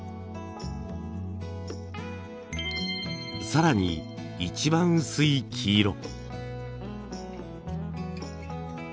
更に一番薄い黄色。